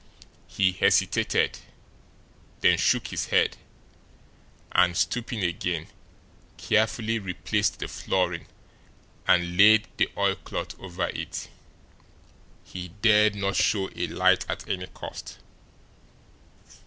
He hesitated, then shook his head, and, stooping again, carefully replaced the flooring and laid the oilcloth over it he dared not show a light at any cost.